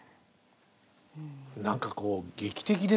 何かこう劇的ですね。